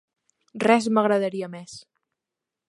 Res m'agradaria més.